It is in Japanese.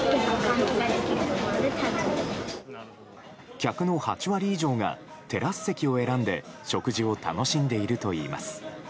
客の８割以上がテラス席を選んで食事を楽しんでいるといいます。